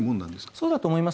そうだと思います。